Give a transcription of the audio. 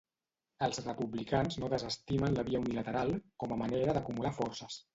Els Republicans no desestimen la via unilateral com una manera d'acumular forces.